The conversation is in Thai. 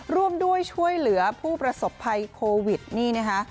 ร่วมด้วยช่วยเหลือผู้ประสบภัยโควิดนี่นะคะ